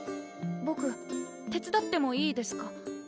ぼく手伝ってもいいですか？